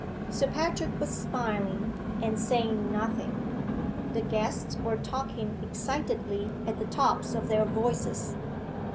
Sir Patrick was smiling, and saying nothing. The guests were talking excitedly at the tops of their voices.